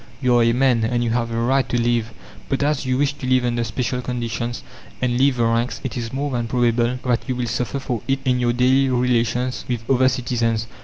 You are a man, and you have the right to live. But as you wish to live under special conditions, and leave the ranks, it is more than probable that you will suffer for it in your daily relations with other citizens.